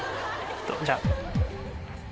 じゃあ。